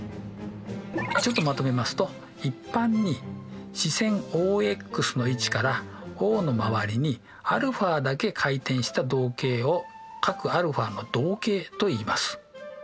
ちょっとまとめますと一般に始線ＯＸの位置からＯのまわりにαだけ回転した動径を角αの動径といいます。